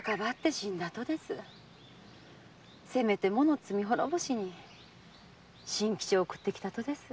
せめてもの罪滅ぼしに真吉を送ってきたとです。